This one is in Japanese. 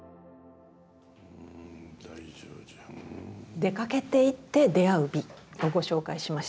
「出かけていって出会う美」をご紹介しましたけれども。